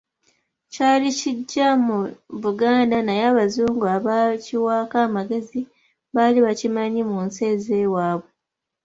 Kyali kiggya mu Buganda, naye Abazungu abaakiwaako amagezi baali bakimanyi mu nsi ez'ewaabwe.